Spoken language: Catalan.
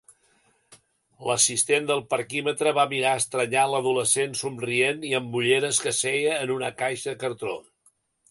L'assistent del parquímetre va mirar estranyat l'adolescent somrient i amb ulleres que seia en una caixa de cartró.